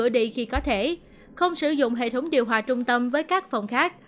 đi khi có thể không sử dụng hệ thống điều hòa trung tâm với các phòng khác